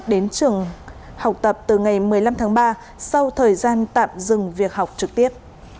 đến trường học tập từ ngày một mươi năm tháng ba sau thời gian tạm dừng việc học trực tiếp